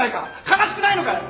悲しくないのかよ！